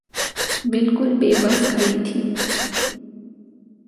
بالکل بے بس کھڑی تھی۔